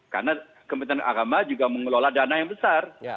karena kementerian agama juga mengelola dana yang besar